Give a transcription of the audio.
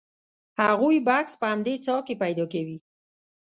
هغوی بکس په همدې څاه کې پیدا کوي.